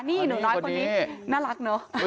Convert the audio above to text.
นี่หนูน้อยคนนี้น่ารักเนอะ